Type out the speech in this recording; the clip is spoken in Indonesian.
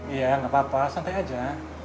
iya gapapa santai aja